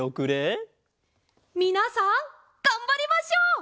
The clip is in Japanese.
みなさんがんばりましょう！